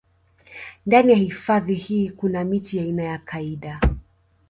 Ndani ya hifadhi hii kuna miti aina ya kaida